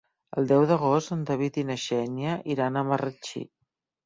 El deu d'agost en David i na Xènia iran a Marratxí.